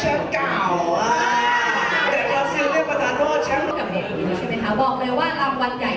หน่าวนานสางขนาดนี้แล้วคืออะไรคะใน